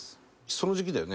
その時期だよね